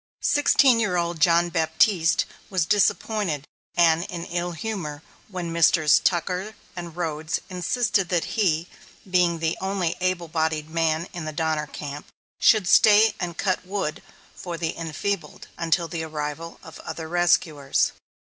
Sixteen year old John Baptiste was disappointed and in ill humor when Messrs. Tucker and Rhodes insisted that he, being the only able bodied man in the Donner camp, should stay and cut wood for the enfeebled, until the arrival of other rescuers.